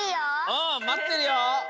うんまってるよ！